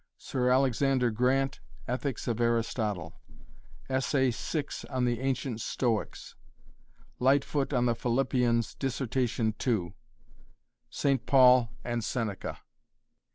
Sir Alexander Grant, "Ethics of Aristotle" Essay VI on the Ancient Stoics Lightfoot on the Philippians, Dissertation II, "St. Paul and Seneca."